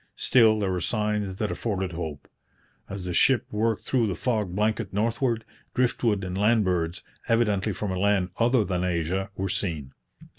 Still, there were signs that afforded hope. As the ship worked through the fog blanket northward, drift wood and land birds, evidently from a land other than Asia, were seen.